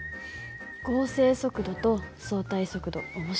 合成速度と相対速度面白かったね。